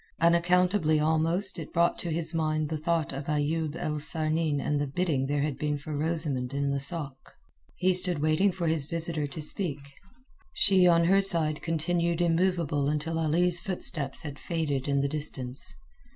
Unaccountably almost it brought to his mind the thought of Ayoub el Sarnin and the bidding there had been for Rosamund in the sôk. He stood waiting for his visitor to speak and disclose herself. She on her side continued immovable until Ali's footsteps had faded in the distance.